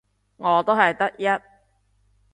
我都係得一